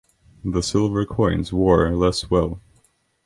The silver coins wore less well.